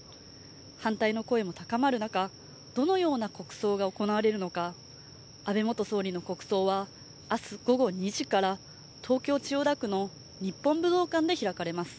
反対の声も高まる中、どのような国葬が行われるのか、安倍元総理の国葬は明日午後２時から東京・千代田区の日本武道館で開かれます。